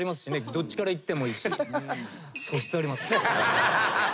どっちからいってもいいし。